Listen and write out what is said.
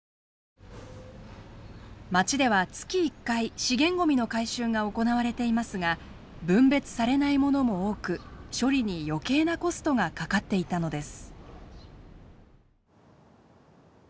まちでは月１回資源ごみの回収が行われていますが分別されないものも多く処理に余計なコストがかかっていたのです。